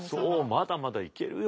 まだまだいけるよ。